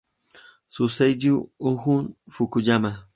Su seiyū es Jun Fukuyama.